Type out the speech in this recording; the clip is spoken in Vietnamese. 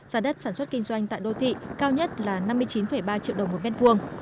giá đất sản xuất kinh doanh tại đô thị cao nhất là năm mươi chín ba triệu đồng một mét vuông